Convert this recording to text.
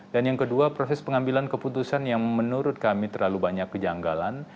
dan yang kedua proses pengambilan keputusan yang menurut kami terlalu banyak kejanggalan